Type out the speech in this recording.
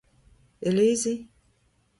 eleze